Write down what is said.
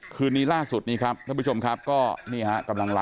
คืนนี้ล่าสุดครับพระผู้ชมครับก็นี้ฮะ